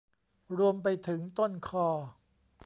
รวมไปถึงต้นคอ